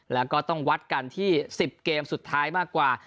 แล้วก็ต้องวัดกันที่๑๐เกมสุดท้ายมากกว่า